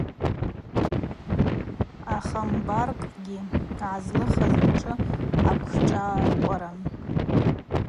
Ахамбаркӏгьи гӏазлыхыз мшӏы аквшӏакъваран.